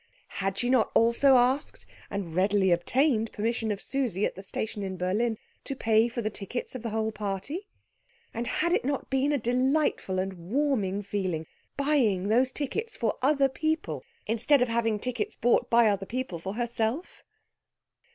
Had she not also asked, and readily obtained, permission of Susie at the station in Berlin to pay for the tickets of the whole party? And had it not been a delightful and warming feeling, buying those tickets for other people instead of having tickets bought by other people for herself?